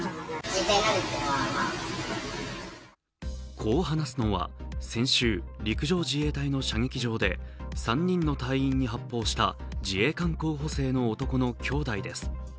こう話すのは、先週、陸上自衛隊の射撃場で３人の隊員に発砲した自衛官候補生の男の兄弟です。